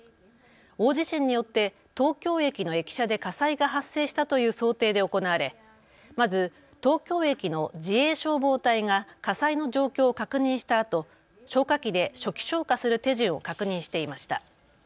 大地震によって東京駅の駅舎で火災が発生したという想定で行われまず東京駅の自衛消防隊が火災の状況を確認したあと消火器で初期消火する手順を確認していました。